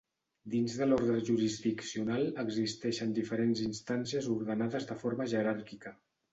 Dins de l'ordre jurisdiccional existeixen diferents instàncies ordenades de forma jeràrquica.